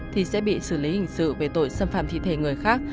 thì sẽ bị xử lý hình sự về tội xâm phạm thi thể người khác